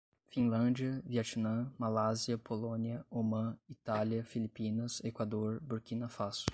Finlândia, Vietnam, Malásia, Polônia, Omã, Itália, Filipinas, Equador, Burquina Fasso